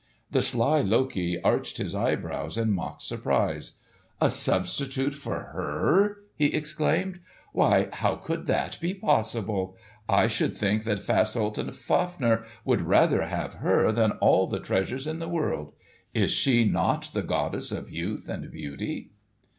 The sly Loki arched his eyebrows in mock surprise. "A substitute for her!" he exclaimed. "Why how could that be possible? I should think that Fasolt and Fafner would rather have her than all the treasures in the world. Is she not the goddess of youth and beauty?"